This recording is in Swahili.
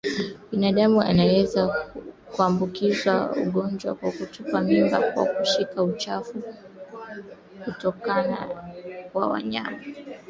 Binadamu anaweza kuambukizwa ugonjwa wa kutupa mimba kwa kushika uchafu kutoka kwa wanyama waliotupa mimba